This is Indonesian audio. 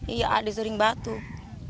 iya ada sering batuk